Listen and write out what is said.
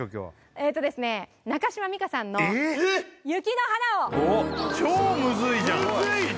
えとですね中島美嘉さんのえっ！？「雪の華」を超ムズいじゃんフ！